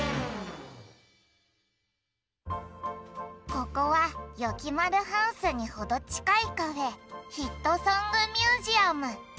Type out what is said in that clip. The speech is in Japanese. ここはよきまるハウスにほどちかいカフェ「ヒットソング・ミュージアム」。